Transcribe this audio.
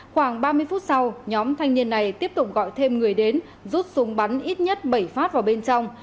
khoảng ba mươi phút sau nhóm thanh niên này tiếp tục gọi thêm người đến rút súng bắn ít nhất bảy phát vào bên trong